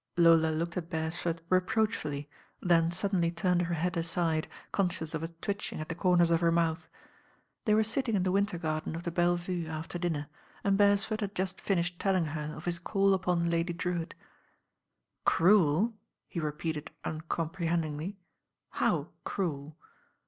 Lola looked at Beresford reproachfully, then suddenly turned her head aside, conscious of a twitching at the comers of her mouth. They were sitting in the winter garden of the Belle Vue after dinner, and Beresford had just finished telling her of his call upon Lady Drewitt. "Cruel 1" he repeated uncomprehending^y. "How cruel?"